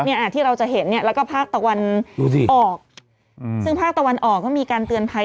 เนี่ยที่เราจะเห็นเนี่ยแล้วก็ภาคตะวันดูสิออกอืมซึ่งภาคตะวันออกก็มีการเตือนภัย